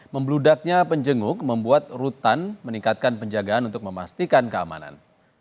membludaknya penjenguk membuat rutan meningkatkan penjagaan untuk memastikan keamanan